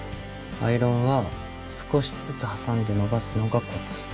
アイロンは少しずつ挟んで伸ばすのがコツ。